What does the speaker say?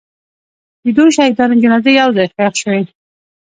د دوو شهیدانو جنازې یو ځای ښخ شوې.